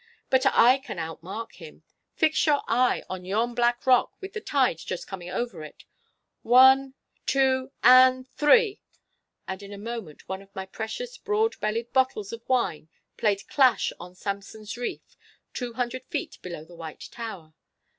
But I can outmark him. Fix your eye on yon black rock with the tide just coming over it—one, two, and three—!' And in a moment one of my precious broad bellied bottles of wine played clash on Samson's reef two hundred feet below the White Tower.